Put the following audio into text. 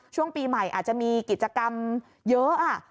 ช่วงปีใหม่อาจจะมีกิจกรรมเยอะ